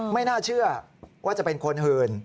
ไม่น่าเชื่อว่าจะเป็นคนหื่น